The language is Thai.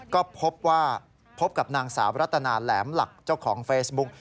ก็พบว่าพบกับนางสาวรัตนาแหลมหลักเจ้าของเฟซบุ๊ก